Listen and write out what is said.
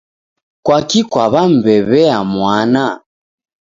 Kwaki kwaw'amwew'ea mwana